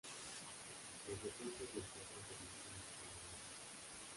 Los Asientos del teatro se dividen en tres niveles.